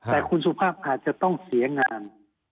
แต่คุณสุภาพอาจจะต้องเสียงาน